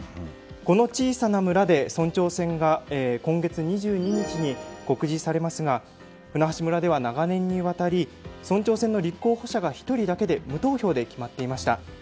この小さな村で村長選が今月２２日に告示されますが舟橋村では長年にわたり村長選の立候補者が１人だけで無投票で決まっていました。